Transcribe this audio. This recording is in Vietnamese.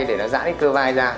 để nó giãn cái cơ vai ra